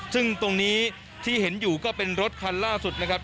ซึ่งตรงนี้ที่เห็นอยู่ก็เป็นรถคันล่าสุดนะครับ